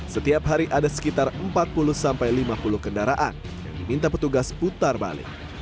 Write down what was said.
setiap hari ada sekitar empat puluh sampai lima puluh kendaraan yang diminta petugas putar balik